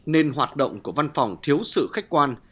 nên hoạt động của văn phòng thiếu sự khách quan